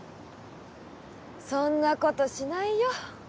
そんなことしないよ